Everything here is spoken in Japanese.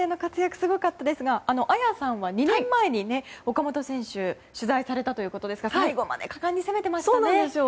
すごかったですが綾さんは、２年前に岡本選手を取材されたということですが最後まで果敢に攻めてましたね。